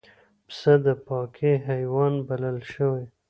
پسه د پاکۍ حیوان بلل شوی.